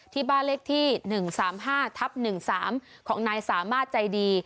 ที่บ้านเลขที่๑๓๕ทับ๑๓ของนายสามารถใจดี